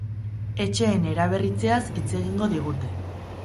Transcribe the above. Etxeen eraberritzeaz hitz egingo digute.